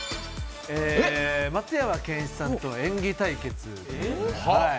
松山ケンイチさんと演技対決。